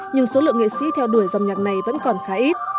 nhưng số lượng nghệ sĩ theo đuổi dòng nhạc này vẫn còn khá ít